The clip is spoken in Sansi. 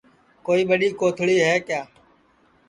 کوئی ٻڈؔی کوتھݪی ہے کیا